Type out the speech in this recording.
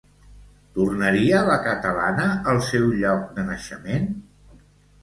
Tornaria la catalana al seu lloc de naixement?